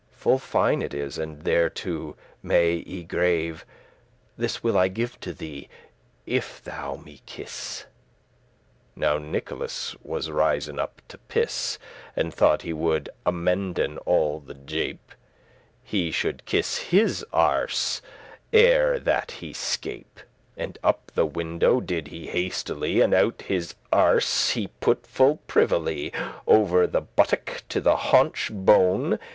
Full fine it is, and thereto well y grave*: *engraved This will I give to thee, if thou me kiss." Now Nicholas was risen up to piss, And thought he would *amenden all the jape*; *improve the joke* He shoulde kiss his erse ere that he scape: And up the window did he hastily, And out his erse he put full privily Over the buttock, to the haunche bone.